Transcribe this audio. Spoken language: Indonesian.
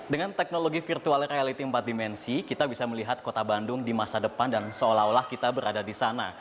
dengan teknologi virtual reality empat dimensi kita bisa melihat kota bandung di masa depan dan seolah olah kita berada di sana